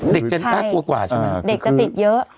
เด็กจะอักกว่าใช่ไหม